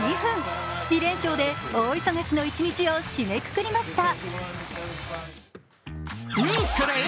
２連勝で大忙しの一日を締めくくりました。